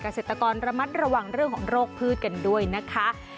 เกษตรกรระมัดระวังเรื่องของโรคพืชกันด้วยนะคะ